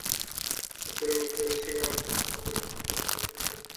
সাত দিনের মধ্যে এসি আকরামকে আদালতে আত্মসমর্পণের জন্য নির্দেশ দিয়েছেন আদালত।